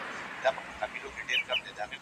قانون سرغړونې او بې عدالتي راکموي.